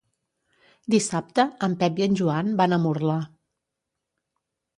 Dissabte en Pep i en Joan van a Murla.